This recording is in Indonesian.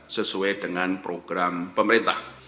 sesuai dengan program pemerintah